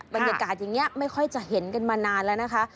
บรรยากาศอย่างนี้ไม่ค่อยจะเห็นกันมานานแล้วนะคะ